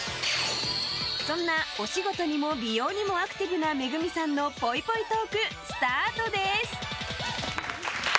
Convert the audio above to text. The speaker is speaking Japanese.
そんなお仕事にも美容にもアクティブなＭＥＧＵＭＩさんのぽいぽいトーク、スタートです！